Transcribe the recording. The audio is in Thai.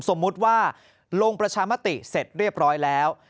สมมุติว่าลงประชามติเสร็จเรียบร้อยแล้ว